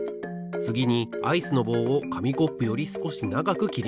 つぎにアイスの棒をかみコップよりすこしながくきります。